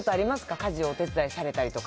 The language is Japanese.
家事お手伝いされたりとか。